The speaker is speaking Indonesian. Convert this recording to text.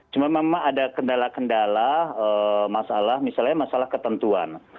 cuma memang ada kendala kendala masalah misalnya masalah ketentuan